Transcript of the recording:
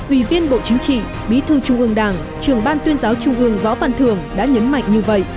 ủy viên bộ chính trị bí thư trung ương đảng trường ban tuyên giáo trung ương võ văn thường đã nhấn mạnh như vậy